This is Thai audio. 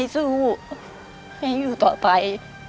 สู้ให้อยู่ต่อไป